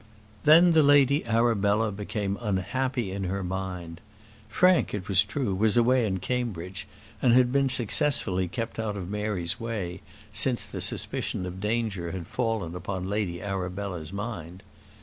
Then the Lady Arabella became unhappy in her mind. Frank, it was true, was away at Cambridge, and had been successfully kept out of Mary's way since the suspicion of danger had fallen upon Lady Arabella's mind.